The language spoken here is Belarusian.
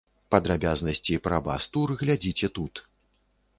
Падрабязнасці пра бас-тур глядзіце тут.